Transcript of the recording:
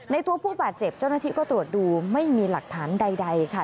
ตัวผู้บาดเจ็บเจ้าหน้าที่ก็ตรวจดูไม่มีหลักฐานใดค่ะ